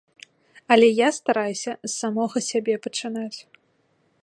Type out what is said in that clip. Але я стараюся з самога сябе пачынаць.